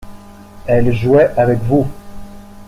Elle jouait avec vous.